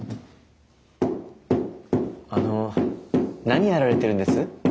あの何やられてるんです？